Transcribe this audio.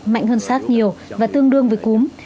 mạnh hơn sars nhiều và tương đương với cúm